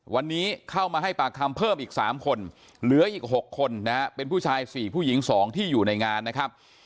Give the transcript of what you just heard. วันนี้เข้ามาให้ปากคำเพิ่มอีก๓คนเหลืออีก๖คนนะฮะเป็นผู้ชาย๔ผู้หญิง๒ที่อยู่ในงานนะครับ